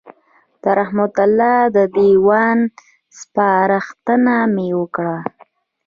د رحمت الله د دېوان سپارښتنه مې وکړه.